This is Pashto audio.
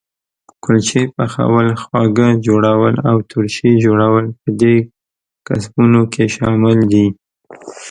کلچې پخول، خواږه جوړول او ترشي جوړول په دې کسبونو کې شامل دي.